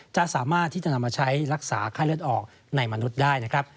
จะสามารถที่จะนำมาใช้รักษาไข้เลือดออกในมนุษย์ได้นะครับ